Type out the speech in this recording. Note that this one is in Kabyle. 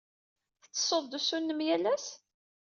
Tettessud-d usu-nnem yal ass?